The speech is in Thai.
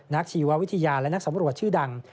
ชีววิทยาและนักสำรวจชื่อดัง